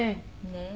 ねえ。